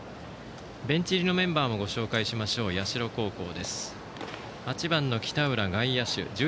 ベンチ入りのメンバーもご紹介しましょう、社高校。